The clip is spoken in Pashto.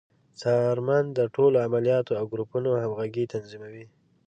څارمن د ټولو عملیاتو او ګروپونو همغږي تضمینوي.